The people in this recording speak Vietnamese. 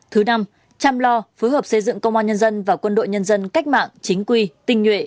thứ năm chăm lo phối hợp xây dựng công an nhân dân và quân đội nhân dân cách mạng chính quy tinh nhuệ